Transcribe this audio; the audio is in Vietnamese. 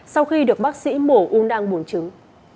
sau khi được bác sĩ mổ u nang buồn chứng